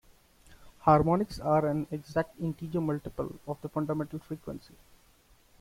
Harmonics are an exact integer multiple of the fundamental frequency.